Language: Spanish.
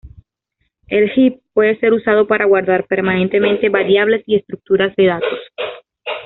El "heap" puede ser usado para guardar permanentemente variables y estructuras de datos.